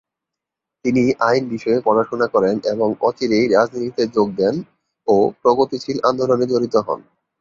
তিনি আইন বিষয়ে পড়াশোনা করেন এবং অচিরেই রাজনীতিতে যোগ দেন ও প্রগতিশীল আন্দোলনে জড়িত হন।